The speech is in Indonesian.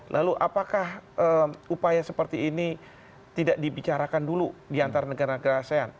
lalu apakah upaya seperti ini tidak dibicarakan dulu di antar negara negara asean